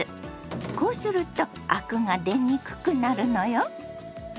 こうするとアクが出にくくなるのよ。